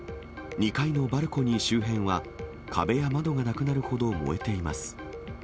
２階のバルコニー周辺は、壁や窓がなくなるほど燃えています。